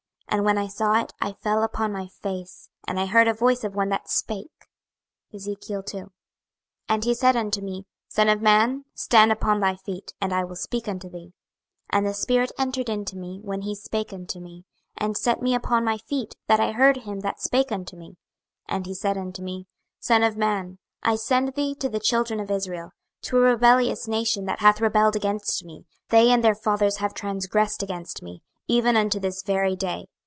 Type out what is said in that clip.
And when I saw it, I fell upon my face, and I heard a voice of one that spake. 26:002:001 And he said unto me, Son of man, stand upon thy feet, and I will speak unto thee. 26:002:002 And the spirit entered into me when he spake unto me, and set me upon my feet, that I heard him that spake unto me. 26:002:003 And he said unto me, Son of man, I send thee to the children of Israel, to a rebellious nation that hath rebelled against me: they and their fathers have transgressed against me, even unto this very day.